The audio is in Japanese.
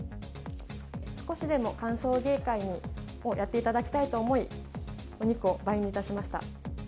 少しでも歓送迎会をやっていただきたいと思い、お肉を倍にいたしました。